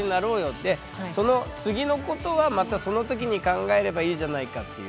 でその次のことはまたその時に考えればいいじゃないかっていう。